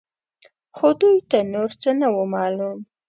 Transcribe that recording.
خو دوی ته نور څه نه وو معلوم.